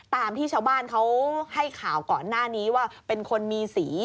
ตามที่ชาวบ้านเขาให้ข่าวก่อนหน้านี้ว่าเป็นคนมีสี